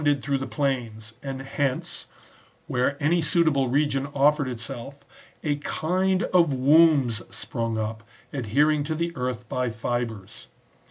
223 ed through the plains, and hence, where any suitable region offered itself, a kind of wombs sprung up,^ adhering to the earth by fibres.